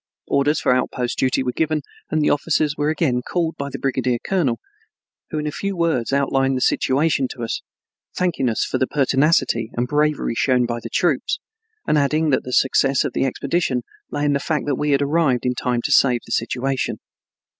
Orders for outpost duty were given and the officers were again called to the brigadier colonel, who in a few words outlined the situation to us, thanking us for the pertinacity and bravery shown by the troops, and adding that the success of the expedition lay in the fact that we had arrived in time to save the situation.